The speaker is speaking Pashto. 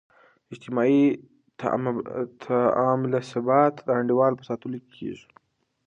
اجتماعي تعاملثبات د انډول په ساتلو کې کیږي.